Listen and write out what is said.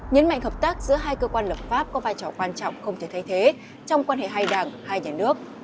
nhấn mạnh hợp tác giữa hai cơ quan lập pháp có vai trò quan trọng không thể thay thế trong quan hệ hai đảng hai nhà nước